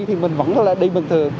thì mình vẫn đi bình thường